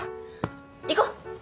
行こう。